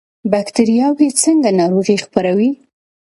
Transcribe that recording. بکتریاوې څنګه ناروغي خپروي؟